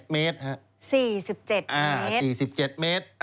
๔๗เมตร๔๗เมตร